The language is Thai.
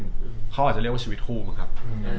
เขาอาจจะเรียกว่าชีวิตคู่มั้งครับ